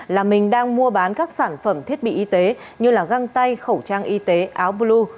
là mình đang mua bán các sản phẩm thiết bị y tế như găng tay khẩu trang y tế áo blu